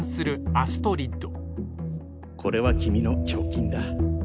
アストリッド！